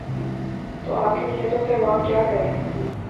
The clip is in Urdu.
تو آپ کی نیتوں سے عوام کیا کریں؟